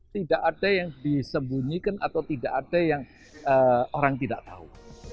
tidak ada yang disembunyikan atau tidak ada yang orang tidak tahu